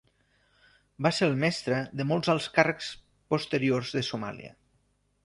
Va ser el mestre de molts alts càrrecs posteriors de Somàlia.